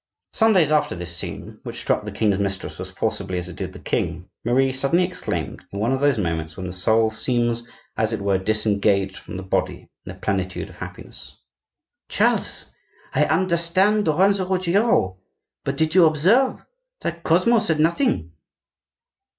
Some days after this scene, which struck the king's mistress as forcibly as it did the king, Marie suddenly exclaimed, in one of those moments when the soul seems, as it were, disengaged from the body in the plenitude of happiness:— "Charles, I understand Lorenzo Ruggiero; but did you observe that Cosmo said nothing?"